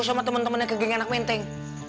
sama temen temennya ke geng anak menteng